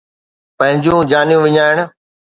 پنهنجون جانيون وڃائڻ